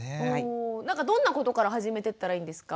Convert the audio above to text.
なんかどんなことから始めてったらいいんですか？